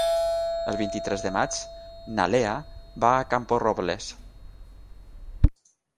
El vint-i-tres de maig na Lea va a Camporrobles.